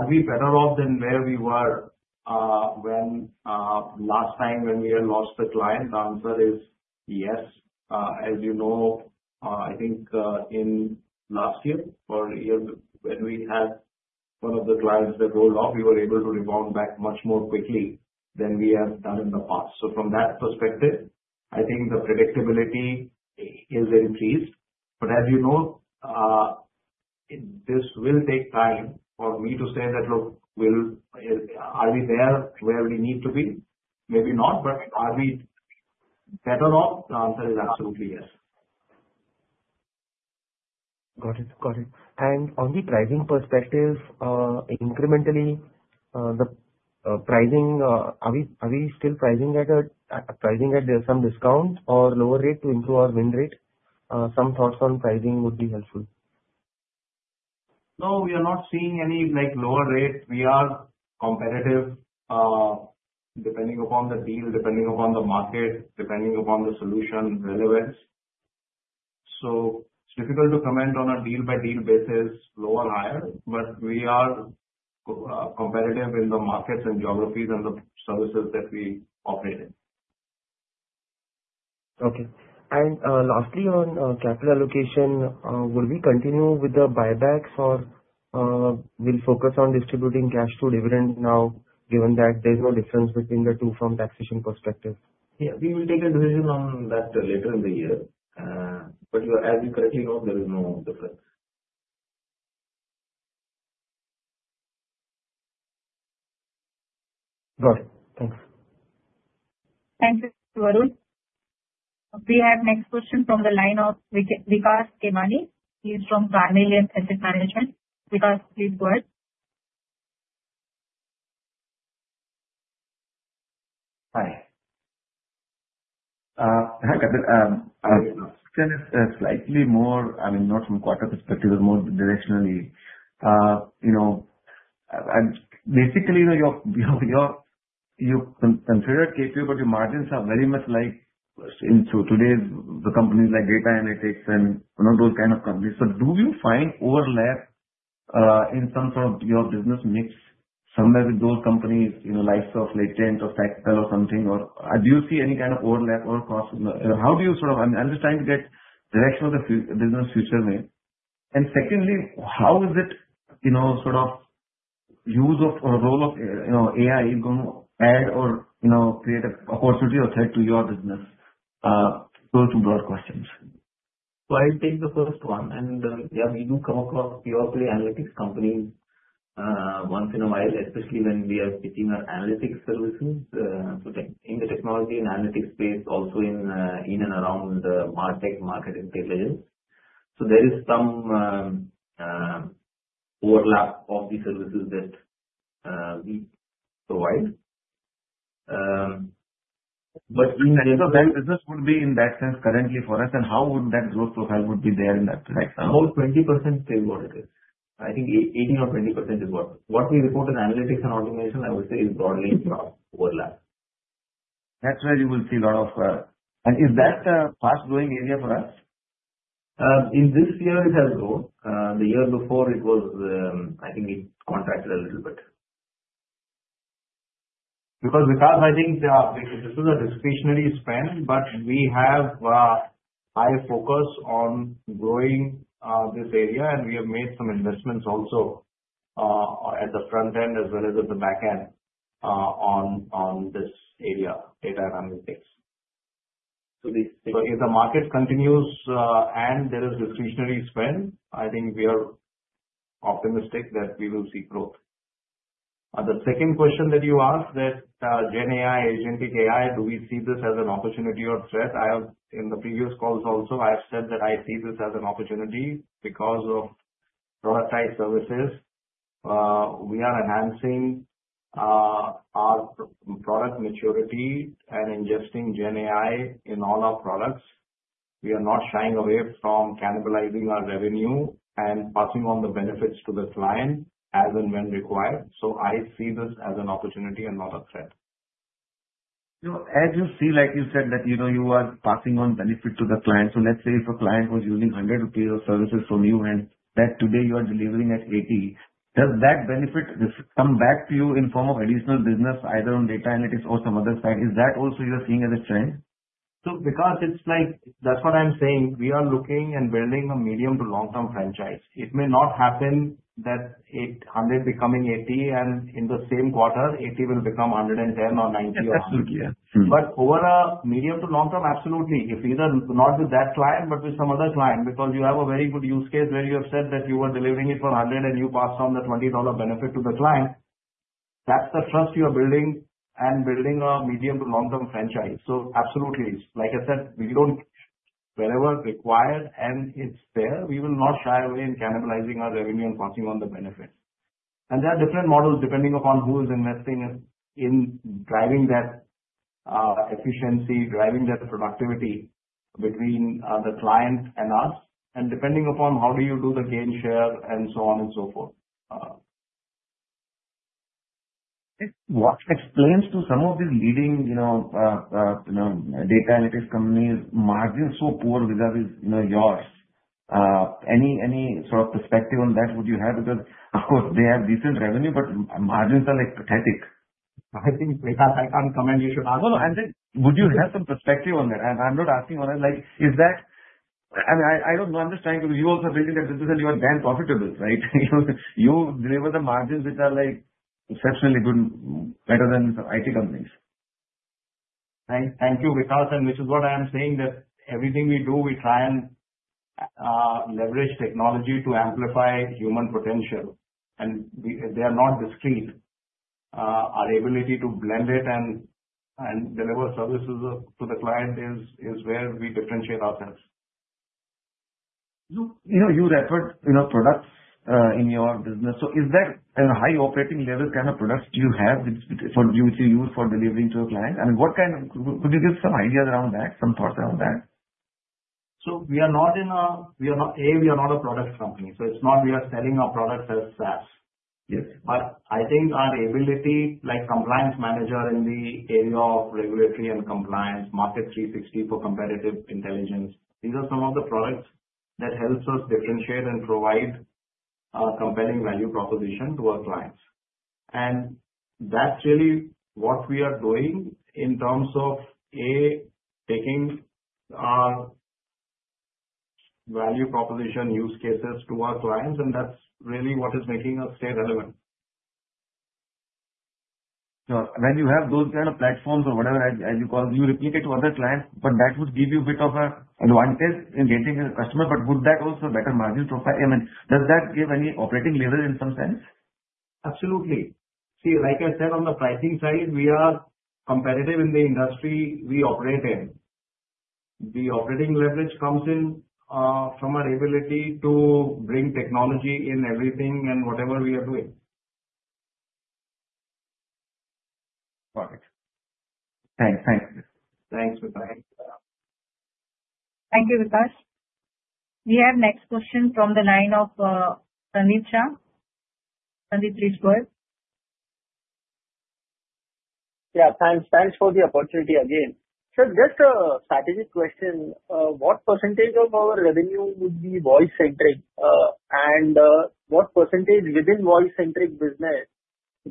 we better off than where we were last time when we had lost the client? The answer is yes. As you know, I think in last year or year when we had one of the clients that rolled off, we were able to rebound back much more quickly than we have done in the past. From that perspective, I think the predictability is increased. As you know, this will take time for me to say that, "Look, are we there where we need to be?" Maybe not, but are we better off? The answer is absolutely yes. Got it. Got it. On the pricing perspective, incrementally, the pricing, are we still pricing at some discount or lower rate to improve our win rate? Some thoughts on pricing would be helpful. No, we are not seeing any lower rate. We are competitive depending upon the deal, depending upon the market, depending upon the solution relevance. It is difficult to comment on a deal-by-deal basis, low or higher, but we are competitive in the markets and geographies and the services that we operate in. Okay. Lastly, on capital allocation, would we continue with the buybacks or will focus on distributing cash to dividend now, given that there's no difference between the two from taxation perspective? Yeah, we will take a decision on that later in the year. As you correctly know, there is no difference. Got it. Thanks. Thank you, Varun. We have next question from the line of Vikas Khemani. He is from Carnelian Asset Management. Vikas, please go ahead. Hi. Hi, Kapil. Slightly more, I mean, not from quarter perspective, but more directionally. Basically, you consider KPO, but your margins are very much like today's companies like Data Analytics and those kind of companies. So do you find overlap in terms of your business mix somewhere with those companies likes of Latent or Fractal or something? Or do you see any kind of overlap or cost? How do you sort of, I mean, I'm just trying to get direction of the business future. And secondly, how is it sort of use of or role of AI is going to add or create an opportunity or threat to your business? Those two broad questions. I'll take the first one. Yeah, we do come across pure-play analytics companies once in a while, especially when we are picking our analytics services in the technology and analytics space, also in and around Martech, marketing places. There is some overlap of the services that we provide. In. Then business would be in that sense currently for us, and how would that growth profile be there in that sense? About 20% stable. I think 18% or 20% is what we report in analytics and automation, I would say, is broadly overlap. That's where you will see a lot of. Is that a fast-growing area for us? In this year, it has grown. The year before, I think it contracted a little bit. Because Vikas, I think this is a discretionary spend, but we have a high focus on growing this area, and we have made some investments also at the front end as well as at the back end on this area, data analytics. If the market continues and there is discretionary spend, I think we are optimistic that we will see growth. The second question that you asked, that GenAI, Agentic AI, do we see this as an opportunity or threat? In the previous calls also, I have said that I see this as an opportunity because of productized services. We are enhancing our product maturity and ingesting GenAI in all our products. We are not shying away from cannibalizing our revenue and passing on the benefits to the client as and when required. I see this as an opportunity and not a threat. As you see, like you said, that you are passing on benefit to the client. Let's say if a client was using 100 rupees of services from you, and that today you are delivering at 80, does that benefit come back to you in form of additional business either on data analytics or some other side? Is that also you are seeing as a trend? Vikas, that's what I'm saying. We are looking and building a medium to long-term franchise. It may not happen that 100 becoming 80, and in the same quarter, 80 will become 110 or 90 or 100. Absolutely. Yeah. Over a medium to long term, absolutely. If either not with that client, but with some other client, because you have a very good use case where you have said that you were delivering it for 100, and you passed on the $20 benefit to the client, that is the trust you are building and building a medium to long-term franchise. Absolutely. Like I said, we do not. Wherever required, and it is there, we will not shy away in cannibalizing our revenue and passing on the benefits. There are different models depending upon who is investing in driving that efficiency, driving that productivity between the client and us, and depending upon how you do the game share and so on and so forth. What explains to some of these leading data analytics companies, "Margins so poor vis-à-vis yours?" Any sort of perspective on that would you have? Because, of course, they have decent revenue, but margins are like pathetic. I think, Vikas, I can't comment. You should ask. No, no. Would you have some perspective on that? I'm not asking on it. I mean, I don't know. I'm just trying to give you also a building that business, and you are damn profitable, right? You deliver the margins which are exceptionally good, better than IT companies. Thank you, Vikas. Which is what I am saying, that everything we do, we try and leverage technology to amplify human potential. They are not discreet. Our ability to blend it and deliver services to the client is where we differentiate ourselves. You referred to products in your business. Is there a high operating level kind of products you have which you use for delivering to a client? I mean, could you give some ideas around that, some thoughts around that? We are not a product company. It is not that we are selling our products as SaaS. I think our ability, like Compliance Manager in the area of regulatory and compliance, market 360 for competitive intelligence, these are some of the products that help us differentiate and provide a compelling value proposition to our clients. That is really what we are doing in terms of taking our value proposition use cases to our clients. That is really what is making us stay relevant. Sure. When you have those kind of platforms or whatever, as you call, you replicate to other clients, but that would give you a bit of an advantage in getting a customer. Would that also better margin profile? I mean, does that give any operating lever in some sense? Absolutely. See, like I said, on the pricing side, we are competitive in the industry we operate in. The operating leverage comes in from our ability to bring technology in everything and whatever we are doing. Got it. Thanks. Thanks. Thanks, Vikas. Thank you, Vikas. We have next question from the line of Sandeep Shah. Sandeep, please go ahead. Yeah. Thanks for the opportunity again. Just a strategic question. What percentage of our revenue would be voice-centric? What percentage within voice-centric business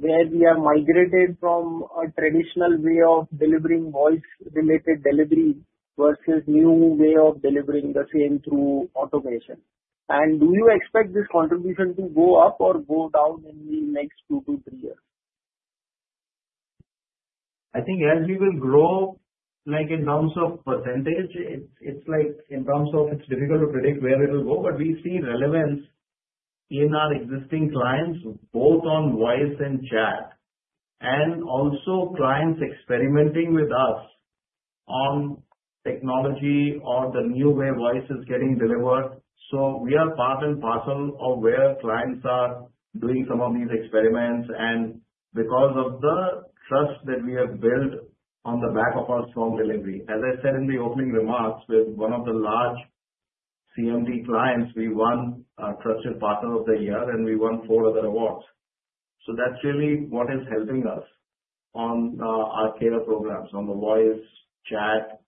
have we migrated from a traditional way of delivering voice-related delivery versus a new way of delivering the same through automation? Do you expect this contribution to go up or go down in the next two to three years? I think as we will grow in terms of percentage, it's like in terms of it's difficult to predict where it will go. We see relevance in our existing clients, both on voice and chat, and also clients experimenting with us on technology or the new way voice is getting delivered. We are part and parcel of where clients are doing some of these experiments because of the trust that we have built on the back of our strong delivery. As I said in the opening remarks, with one of the large CMT clients, we won Trusted Partner of the Year, and we won four other awards. That is really what is helping us on our care programs, on the voice, chat,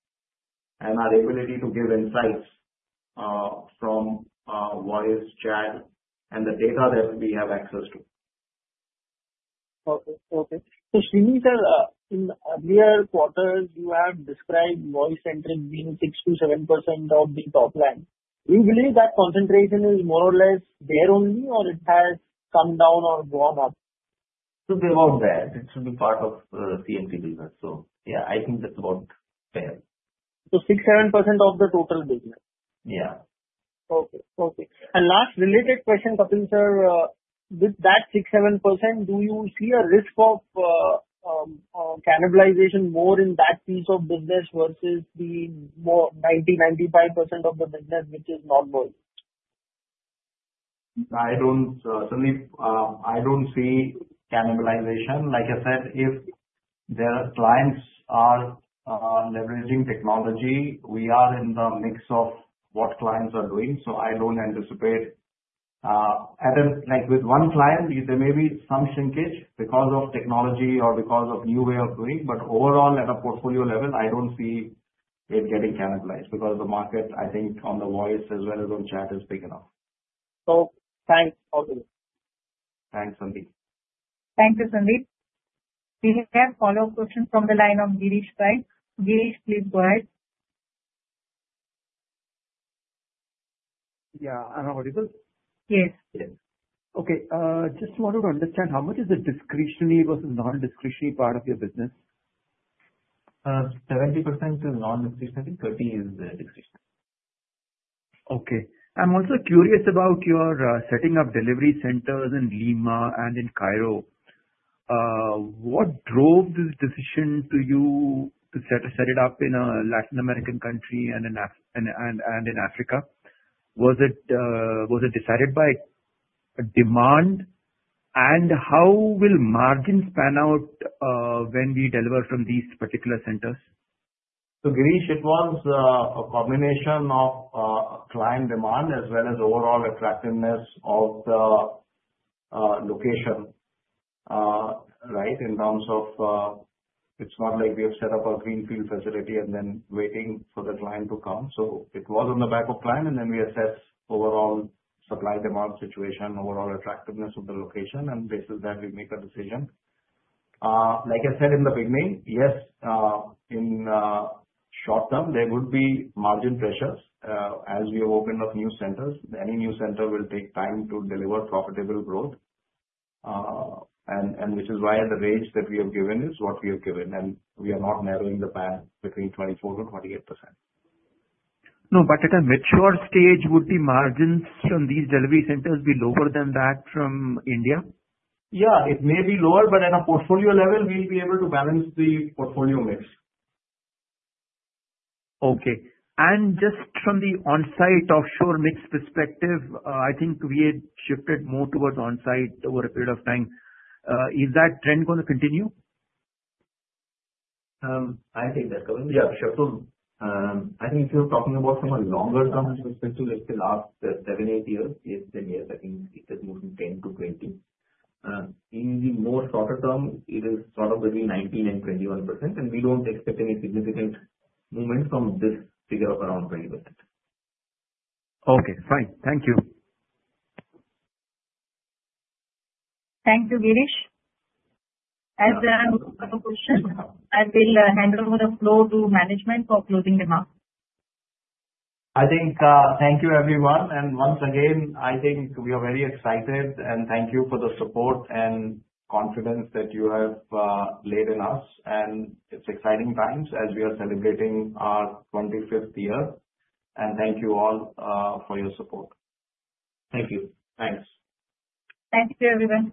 and our ability to give insights from voice, chat, and the data that we have access to. Okay. Okay. So Srini, in the earlier quarters, you have described voice centric being 6%-7% of the top line. Do you believe that concentration is more or less there only, or it has come down or gone up? It's above that. It should be part of the CMT business. So yeah, I think that's about fair. 6%, 7% of the total business? Yeah. Okay. Okay. Last related question, Kapil sir, with that 6%-7%, do you see a risk of cannibalization more in that piece of business versus the 90% 95% of the business which is not voice? Certainly, I don't see cannibalization. Like I said, if the clients are leveraging technology, we are in the mix of what clients are doing. I don't anticipate with one client, there may be some shrinkage because of technology or because of new way of doing. Overall, at a portfolio level, I don't see it getting cannibalized because the market, I think, on the voice as well as on chat is big enough. Thanks, Kapil. Thanks, Sandeep. Thank you, Sandeep. We have a follow-up question from the line of Girish. Girish, please go ahead. Yeah. Am I audible? Yes. Yes. Okay. Just wanted to understand, how much is the discretionary versus non-discretionary part of your business? 70% is non-discretionary. 30% is discretionary. Okay. I'm also curious about your setting up delivery centers in Lima and in Cairo. What drove this decision to you to set it up in a Latin American country and in Africa? Was it decided by demand? How will margins pan out when we deliver from these particular centers? Girish, it was a combination of client demand as well as overall attractiveness of the location, right, in terms of it's not like we have set up a greenfield facility and then waiting for the client to come. It was on the back of client, and then we assess overall supply-demand situation, overall attractiveness of the location, and based on that, we make a decision. Like I said in the beginning, yes, in short term, there would be margin pressures as we have opened up new centers. Any new center will take time to deliver profitable growth, which is why the range that we have given is what we have given. We are not narrowing the band between 24%-28%. No, but at a mature stage, would the margins on these delivery centers be lower than that from India? Yeah, it may be lower, but at a portfolio level, we'll be able to balance the portfolio mix. Okay. Just from the onsite-offshore mix perspective, I think we had shifted more towards onsite over a period of time. Is that trend going to continue? I think that's going to. Yeah, sure. I think if you're talking about from a longer-term perspective, let's say last 7-8 years, 8-10 years, I think it has moved from 10%-20%. In the more shorter term, it is sort of between 19% and 21%, and we don't expect any significant movement from this figure of around 20%. Okay. Fine. Thank you. Thank you, Girish. As a closing question, I will hand over the floor to management for closing remarks. Thank you, everyone. Once again, we are very excited, and thank you for the support and confidence that you have laid in us. It's exciting times as we are celebrating our 25th year. Thank you all for your support. Thank you. Thanks. Thank you, everyone.